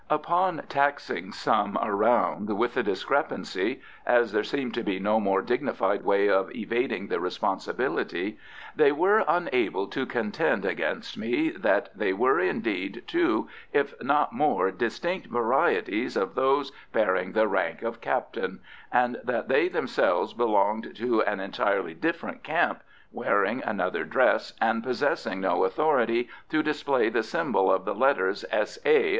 Upon taxing some around with the discrepancy (as there seemed to be no more dignified way of evading the responsibility), they were unable to contend against me that there were, indeed, two, if not more, distinct varieties of those bearing the rank of captain, and that they themselves belonged to an entirely different camp, wearing another dress, and possessing no authority to display the symbol of the letters S.A.